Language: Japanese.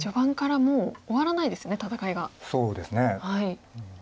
そうですね。